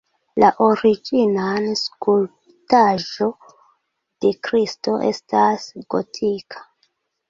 La originan skulptaĵo de Kristo estas gotika.